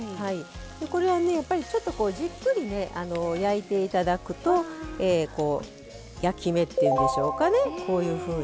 これはじっくり焼いていただくと焼き目っていうんでしょうかね。